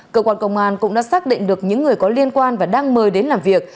cơ quan công an cũng đã xác định được những người có liên quan và đang mời đến làm việc